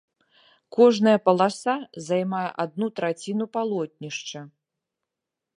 Кожная паласа займае адну траціну палотнішча.